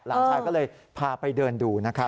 หลานชายก็เลยพาไปเดินดูนะครับ